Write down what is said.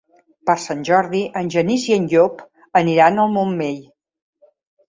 Per Sant Jordi en Genís i en Llop aniran al Montmell.